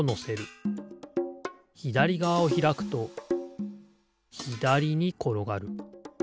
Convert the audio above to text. ひだりがわをひらくとひだりにころがる。